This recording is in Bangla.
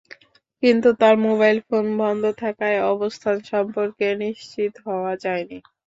কিন্তু তাঁর মোবাইল ফোন বন্ধ থাকায় অবস্থান সম্পর্কে নিশ্চিত হওয়া যায়নি।